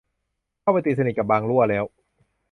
เข้าไปตีสนิทกับบ่างลั่วแล้ว